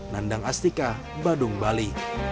nandang astika badung bali